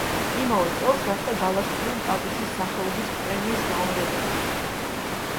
იმავე წელს გახდა გალაკტიონ ტაბიძის სახელობის პრემიის ლაურეატი.